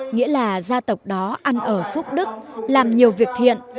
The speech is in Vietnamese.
nghĩa là gia tộc đó ăn ở phúc đức làm nhiều việc thiện